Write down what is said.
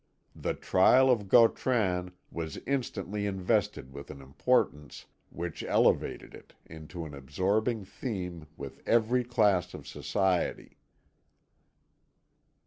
The trial of Gautran was instantly invested with an importance which elevated it into an absorbing theme with every class of society.